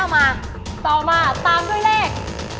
มาต่อมาตามด้วยเลข